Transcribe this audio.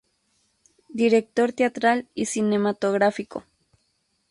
Director teatral y cinematográfico.